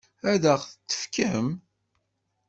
Ad ɣ-t-tefkem?